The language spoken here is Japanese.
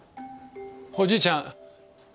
おじいちゃん！